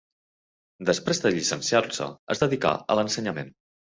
Després de llicenciar-se, es dedicà a l'ensenyament.